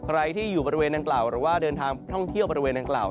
ใครที่อยู่บริเวณดังกล่าวหรือว่าเดินทางท่องเที่ยวบริเวณดังกล่าว